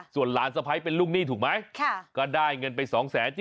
ส่วนหลานสะพ้ายเป็นลูกหนี้ถูกไหมก็ได้เงินไป๒๗๐๐